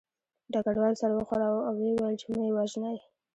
ډګروال سر وښوراوه او ویې ویل چې مه یې وژنئ